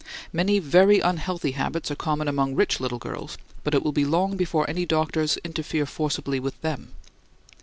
Many very unhealthy habits are common among rich little girls, but it will be long before any doctors interfere forcibly with them.